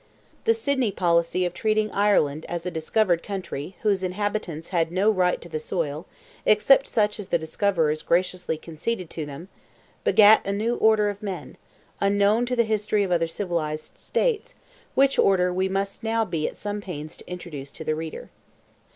The Sidney policy of treating Ireland as a discovered country, whose inhabitants had no right to the soil, except such as the discoverers graciously conceded to them—begat a new order of men, unknown to the history of other civilized states, which order we must now be at some pains to introduce to the reader.